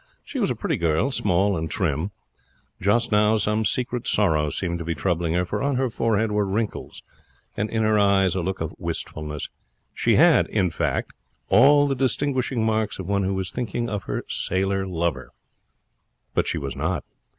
She was a pretty girl, small and trim. Just now some secret sorrow seemed to be troubling her, for on her forehead were wrinkles and in her eyes a look of wistfulness. She had, in fact, all the distinguishing marks of one who is thinking of her sailor lover. But she was not.